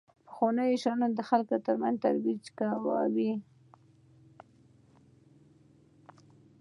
پخو شیانو ته خلک ترجیح ورکوي